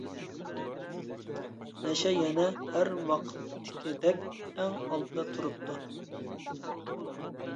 نەشە يەنە ھەر ۋاقىتتىكىدەك ئەڭ ئالدىدا تۇرۇپتۇ.